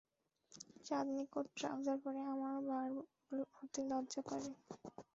চাঁদনির coat trouser পরে আমার বার হতে লজ্জা করে।